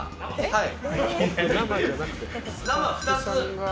はい。